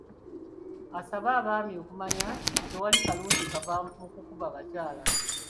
Asaba abaami okumanya nti tewali kalungi kava mu kukuba bakyala.